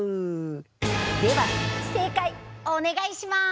では正解お願いします。